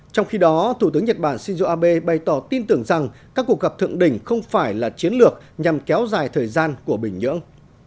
trong khi đó thủ tướng nhật bản shinzo abe bày tỏ tin tưởng rằng các cuộc gặp thượng đỉnh không phải là chiến lược nhằm kéo dài thời gian của bình nhưỡng